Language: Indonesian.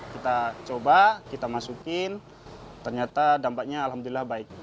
kita coba kita masukin ternyata dampaknya alhamdulillah baik